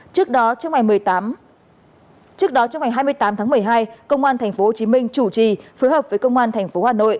trước đó trong ngày hai mươi tám tháng một mươi hai công an tp hcm chủ trì phối hợp với công an tp hcm